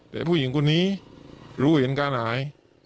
แต่ผู้หญิงคนนี้รู้เห็นการหาย